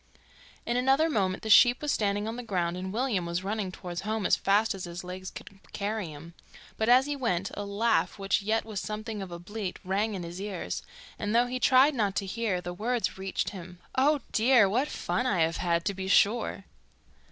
In another moment the sheep was standing on the ground and William was running towards home as fast as his legs would carry him. But as he went, a laugh, which yet was something of a bleat, rang in his ears, and though he tried not to hear, the words reached him, 'Oh, dear! What fun I have had, to be sure!